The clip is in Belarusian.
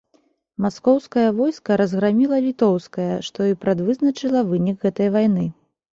Маскоўскае войска разграміла літоўскае, што і прадвызначыла вынік гэтай вайны.